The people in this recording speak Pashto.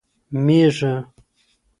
مېږه